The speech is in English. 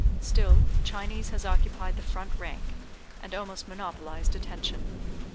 Still Chinese has occupied the front rank, and almost monopolized attention.